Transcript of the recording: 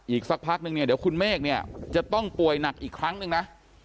อีกสักพักนึงเนี่ยเดี๋ยวคุณเมฆเนี่ยจะต้องป่วยหนักอีกครั้งหนึ่งนะ